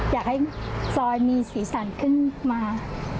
อยากให้ซอยมีสีสันขึ้นมา